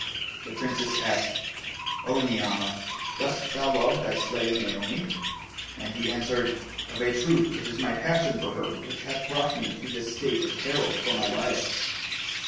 The Princess asked, "O Ni'amah, dost thou love thy slave Naomi?"; and he answered, "Of a truth it is my passion for her which hath brought me to this state of peril for my life."